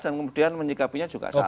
dan kemudian menyikapinya juga salah